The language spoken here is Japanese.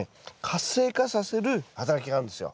活性化させる働きがあるんですよ。